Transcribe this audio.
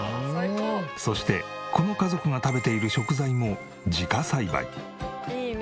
そしてこの家族が食べている食材も自家栽培。